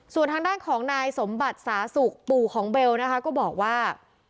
ส่วนทางด้านของนายสมบัติสาสุกปู่ของเบลนะคะก็บอกว่า